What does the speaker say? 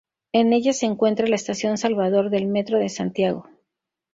En ella se encuentra la estación Salvador del Metro de Santiago.